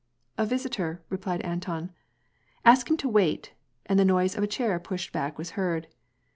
" A visitor," replied Anton. '^ Ask him to wait," and the noise of a chair ptished back was heard.